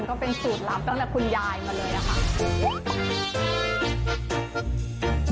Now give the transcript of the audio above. ก็เป็นสูตรลับตั้งแต่คุณยายมาเลยอะค่ะ